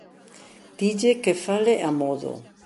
Dille que fale amodo.